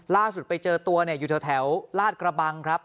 ล่าสุดไปเจอตัวอยู่แถวลาดกระบังครับ